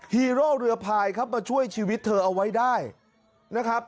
ฮีโร่เรือพายครับมาช่วยชีวิตเธอเอาไว้ได้นะครับ